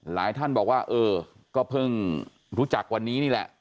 ท่านบอกว่าเออก็เพิ่งรู้จักวันนี้นี่แหละ